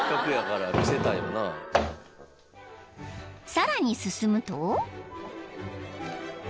［さらに進むと］